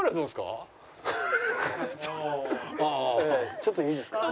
ちょっといいですか？